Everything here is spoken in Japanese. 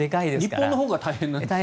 日本のほうが大変ですよね。